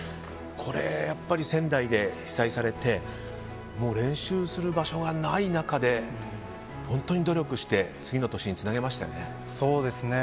これはやっぱり仙台で被災されて練習する場所がない中で本当に努力して次の年につなげましたよね。